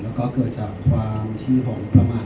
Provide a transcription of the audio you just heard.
และเกิดจากความที่ผมประมาท